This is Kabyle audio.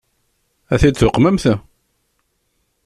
Ad t-id-tuqmemt?